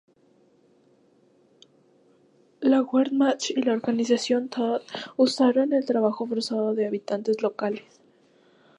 La Wehrmacht y la Organización Todt usaron el trabajo forzado de habitantes locales.